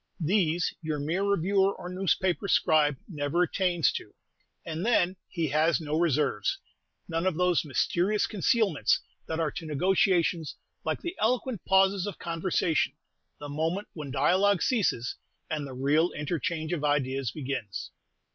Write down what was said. These, your mere reviewer or newspaper scribe never attains to; and then he has no reserves, none of those mysterious concealments that are to negotiations like the eloquent pauses of conversation: the moment when dialogue ceases, and the real interchange of ideas begins.